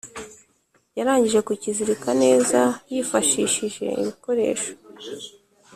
Yarangije kukizirika neza yifashishije ibikoresho